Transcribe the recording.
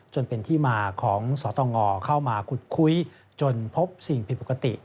จนเป็นที่มาของสตงเข้ามาขุดคุยจนพบสิ่งผิดปกติ